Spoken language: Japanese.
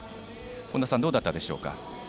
本田さん、どうだったでしょうか。